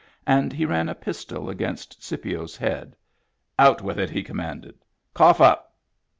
And he ran a pistol against Scipio's head. " Out with it," he commanded. " Cough up."